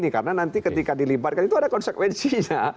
karena nanti ketika dilibatkan itu ada konsekuensinya